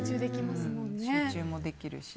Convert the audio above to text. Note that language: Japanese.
集中もできるし。